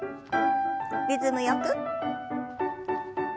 リズムよく。